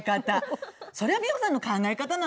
それは美穂さんの考え。